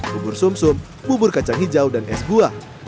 bubur sumsum bubur kacang hijau dan es buah